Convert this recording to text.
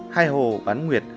hai hồ bán nguyệt